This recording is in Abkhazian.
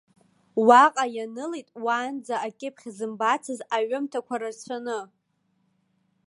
Уаҟа ианылеит уаанӡа акьыԥхь зымбацыз аҩымҭақәа рацәаны.